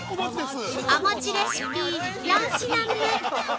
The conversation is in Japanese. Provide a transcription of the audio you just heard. ◆お餅レシピ４品目。